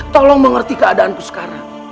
tolong mengerti keadaanku sekarang